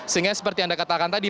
sehingga seperti anda katakan tadi